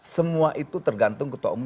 semua itu tergantung ketua umum